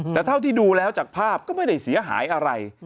แต่เท่าที่ดูแล้วจากภาพก็ไม่ได้เสียหายอะไร